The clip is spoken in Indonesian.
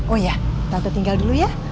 oh ya takut tinggal dulu ya